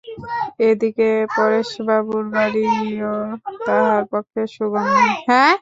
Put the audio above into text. এ দিকে পরেশবাবুর বাড়িও তাহার পক্ষে সুগম নহে।